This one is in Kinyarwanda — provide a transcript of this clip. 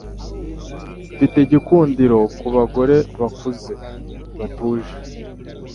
Mfite igikundiro kubagore bakuze, batuje.